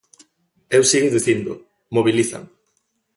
Eu sigo dicindo: mobilizan.